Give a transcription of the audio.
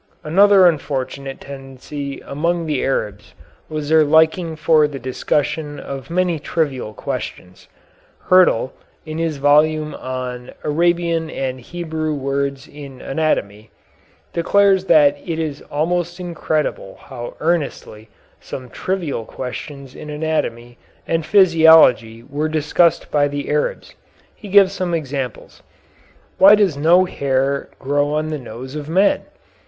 Another unfortunate tendency among the Arabs was their liking for the discussion of many trivial questions. Hyrtl, in his volume on "Arabian and Hebrew Words in Anatomy," declares that it is almost incredible how earnestly some trivial questions in anatomy and physiology were discussed by the Arabs. He gives some examples. Why does no hair grow on the nose of men?